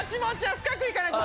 深くいかないと。